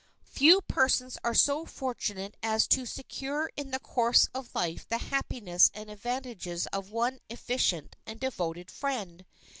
Few persons are so fortunate as to secure in the course of life the happiness and advantages of one efficient and devoted friend.